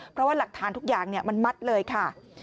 เพราะว่าหลักฐานทุกอย่างมันมัดเลยค่ะ